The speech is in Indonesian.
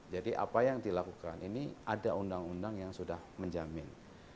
jadi apa yang dilakukan ini ada undang undang yang sudah menjamin